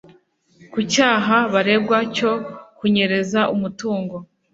Ku cyaha baregwa cyo kunyereza umutungo